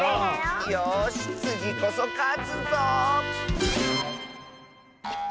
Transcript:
よしつぎこそかつぞ！